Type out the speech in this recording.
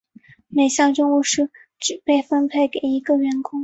每项任务只被分配给一个员工。